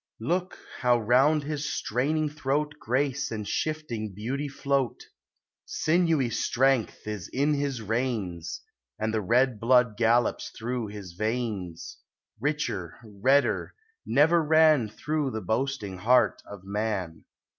Look, — how round his straining throat Grace and shifting beauty float; Sinewy strength is in his reins, And the red blood gallops through his veins 2 Richer, redder, never ran Through the boasting heart of man.